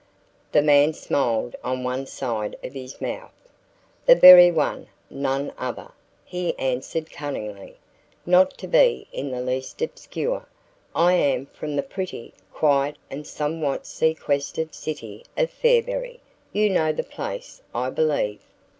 The man smiled on one side of his mouth. "The very one, none other," he answered cunningly. "Not to be in the least obscure, I am from the pretty, quiet and somewhat sequestered city of Fairberry. You know the place, I believe."